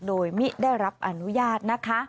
โดยมิได้รับอนุญาต